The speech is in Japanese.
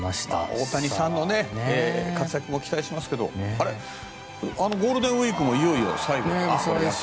大谷さんの活躍も期待しますけどゴールデンウィークもいよいよ最後と。